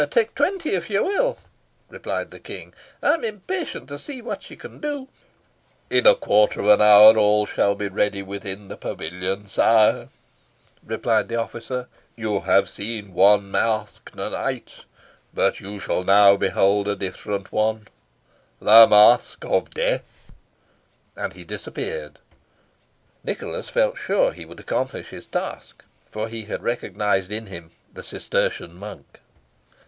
"Tak twenty, if you will," replied the King, "I am impatient to see what you can do." "In a quarter of a minute all shall be ready within the pavilion, sire," replied the officer. "You have seen one masque to night; but you shall now behold a different one the masque of death." And he disappeared. Nicholas felt sure he would accomplish his task, for he had recognised in him the Cistertian monk.